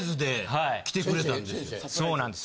そうなんですよ。